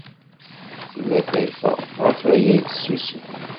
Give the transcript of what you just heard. Tella terfa. Ɣef waya ay tsusem.